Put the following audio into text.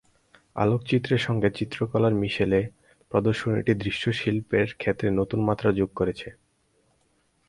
আলোকচিত্রের সঙ্গে চিত্রকলার মিশেলে প্রদর্শনীটি দৃশ্যশিল্পের ক্ষেত্রে নতুন মাত্রা যোগ করেছে।